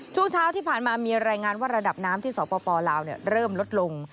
ช่วงเช้าที่ผ่านมามีรายงานว่าระดับน้ำที่สปลาวเริ่มลดลง